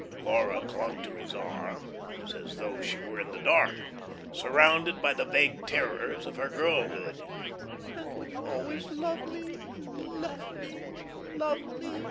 Laura clung to his arm; it was as though she were in the dark, surrounded by the vague terrors of her girlhood. "And you will always love me, love me, love me?"